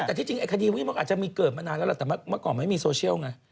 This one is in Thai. แต่ที่จริงคดีมันอาจจะเกิดมานานแล้วแต่เมื่อก่อนมันไม่มีโซเชียลไง